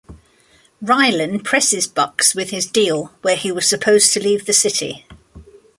Raylan presses Bucks with his deal where he was supposed to leave the city.